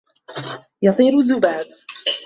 يَطِيرُ الذُّبابُ.